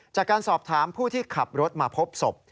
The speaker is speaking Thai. จากการสอบถามผู้ที่ขับรถมาพบศพ